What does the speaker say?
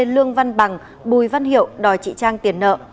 lương văn bằng bùi văn hiệu đòi chị trang tiền nợ